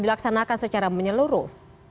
dilaksanakan secara menyeluruh